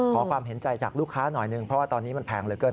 ขอความเห็นใจจากลูกค้าหน่อยหนึ่งเพราะว่าตอนนี้มันแพงเหลือเกิน